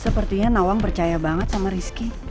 sepertinya nawang percaya banget sama rizky